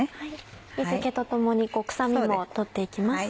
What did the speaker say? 水気とともに臭みも取って行きます。